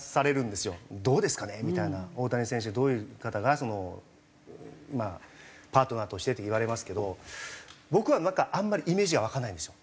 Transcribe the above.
大谷選手はどういう方がそのまあパートナーとしてって言われますけど僕はあんまりイメージは湧かないんですよ。